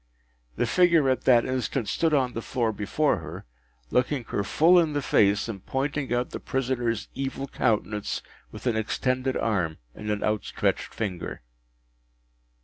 The figure at that instant stood on the floor before her, looking her full in the face, and pointing out the prisoner’s evil countenance with an extended arm and an outstretched finger.